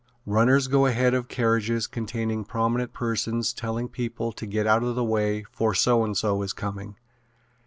Runners go ahead of carriages containing prominent persons telling people to get out of the way for so and so is coming.